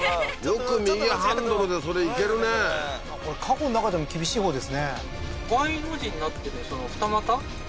よく右ハンドルでそれ行けるねこれ過去の中でも厳しいほうですね